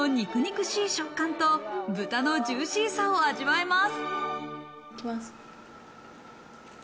牛肉の肉肉しい食感と豚のジューシーさを味わえます。